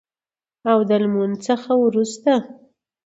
او د لمونځ څخه وروسته